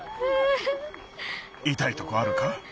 いたいとこあるか？